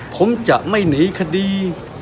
ผมจะไม่หนีคดี